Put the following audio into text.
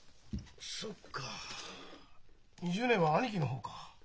そっか２０年は兄貴の方か。